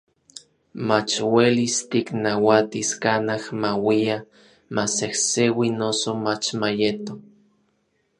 mach uelis tiknauatis kanaj mauia, masejseui noso mach mayeto.